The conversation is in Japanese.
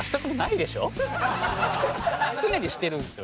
常にしてるんですよ